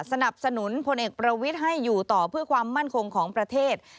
สนับสนุนพลเอกประวิทย์ให้อยู่ต่อเพื่อความมั่นคงของประเทศ